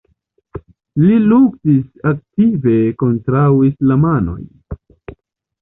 Li luktis aktive kontraŭ islamanoj.